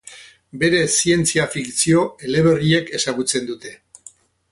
Bere zientzia-fikzio eleberriek ezagutzen dute.